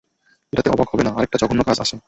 এটাতে অবাক হবে না, আরেকটা জঘন্য কাজ আছে।